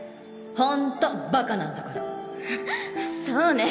ホントバカなんだからそうね